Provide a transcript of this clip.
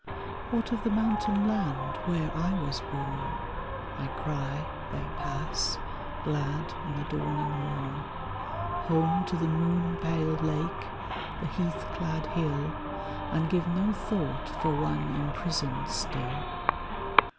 "What of the mountain land where I was bom?" I cry, they pass, glad in the dawning mom. Home to the moon pale lake, the heath clad hill, And give no thought for one imprisoned still.